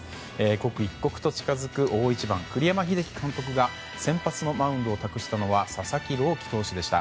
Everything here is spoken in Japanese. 刻一刻と近づく大一番栗山英樹監督が先発のマウンドを託したのは佐々木朗希投手でした。